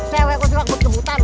cewek gue suka ngebut kebutan